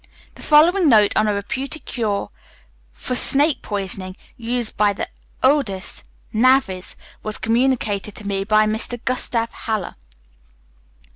The following note on a reputed cure for snake poisoning, used by the Oddes (navvies), was communicated to me by Mr Gustav Haller.